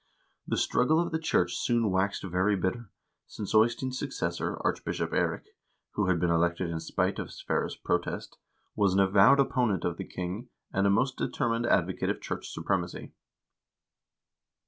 The struggle with the church soon waxed very bitter, since Eystein's successor, Archbishop Eirik, who had been elected in spite of Sverre's protest, was an avowed opponent of the king, and a most determined advocate of church supremacy.